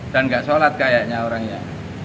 dan gak sholat kayaknya orangnya